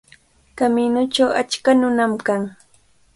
Kamiñuchaw achka nunam kan.